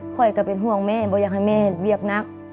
ค่อยก็เป็นห่วงแม่บอกอยากให้แม่เวียบนัก